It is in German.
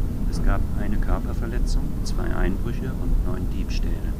Es gab eine Körperverletzung, zwei Einbrüche und neun Diebstähle.